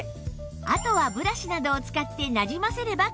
あとはブラシなどを使ってなじませれば完成